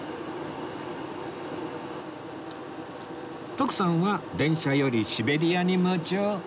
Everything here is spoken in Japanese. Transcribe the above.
徳さんは電車よりシベリアに夢中